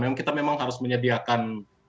memang kita harus menyediakan